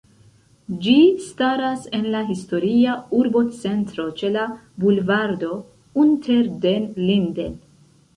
Ĝi staras en la historia urbocentro ĉe la bulvardo Unter den Linden.